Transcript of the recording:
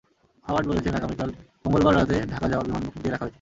Howard বলেছেন, আগামীকাল মঙ্গলবার রাতে ঢাকা যাওয়ার বিমান বুকিং দিয়ে রাখা হয়েছে।